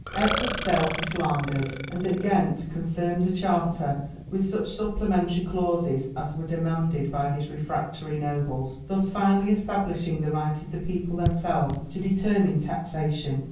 Edward sailed for Flanders, and at Ghent confirmed the Charter with such supplementary clauses as were demanded by his refractory nobles, thus finally establishing the right of the people themselves to determine taxation.